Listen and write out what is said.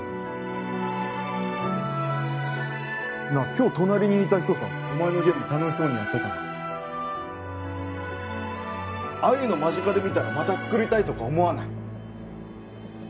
今日隣にいた人さお前のゲーム楽しそうにやってたなああいうの間近で見たらまた作りたいとか思わない？